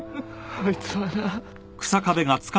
あいつはな！